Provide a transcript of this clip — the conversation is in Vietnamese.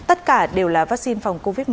tất cả đều là vaccine phòng covid một mươi chín